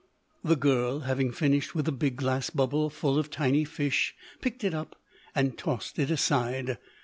The girl having finished with the big glass bubble full of tiny fish, picked it up and tossed it aside.